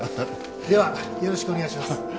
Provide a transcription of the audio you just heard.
ではよろしくお願いします。